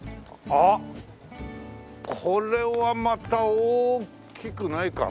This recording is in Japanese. あっこれはまた大きくないか。